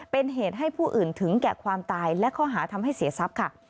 เป็นเหตุให้ผู้อื่นถึงแก่ความตายและข้อหาทำให้เสียทรัพย์ค่ะ